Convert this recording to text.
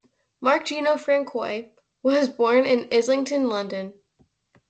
Mark Gino Francois was born in Islington, London.